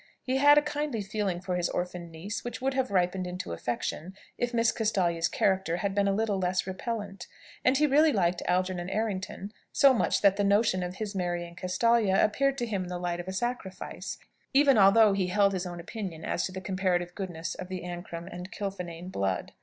He had a kindly feeling for his orphan niece, which would have ripened into affection if Miss Castalia's character had been a little less repellent. And he really liked Algernon Errington so much that the notion of his marrying Castalia appeared to him in the light of a sacrifice, even although he held his own opinion as to the comparative goodness of the Ancram and Kilfinane blood.